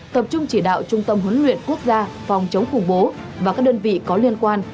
tập trung chỉ đạo trung tâm huấn luyện quốc gia phòng chống khủng bố và các đơn vị có liên quan